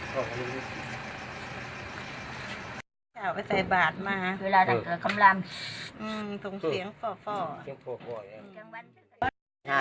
เข้าไปใส่บาทมาเวลาที่จะเข้ามา